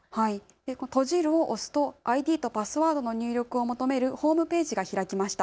閉じるを押すとＩＤとパスワードの入力を求めるホームページが開きました。